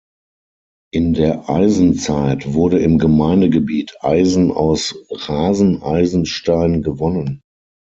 In der Eisenzeit wurde im Gemeindegebiet Eisen aus Raseneisenstein gewonnen.